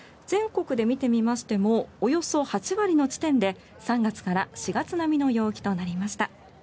全国で見てみましてもおよそ８割の地点で３月から４月並みの陽気となりました。